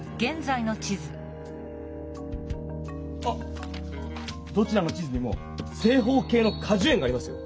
あっどちらの地図にも正方形のかじゅ園がありますよ。